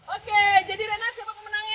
oke jadi rena siapa yang menang ya